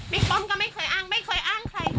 มิกป๊อมก็ไม่เคยอ้างใครค่ะ